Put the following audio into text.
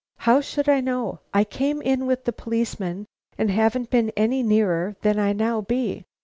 "How should I know? I came in with the policeman and haven't been any nearer than I now be.